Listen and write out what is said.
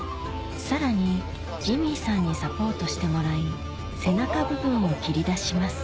さらにジミーさんにサポートしてもらい背中部分を切り出します